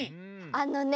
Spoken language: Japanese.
あのね